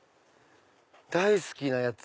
大好きなやつ。